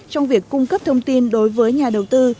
trong việc cung cấp thông tin đối với nhà đầu tư